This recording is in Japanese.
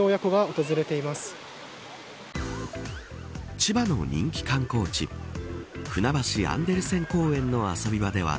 千葉の人気観光地ふなばしアンデルセン公園の遊び場では